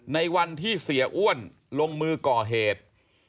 ในวันที่เสียอ้วนลงมือก่อเหตุ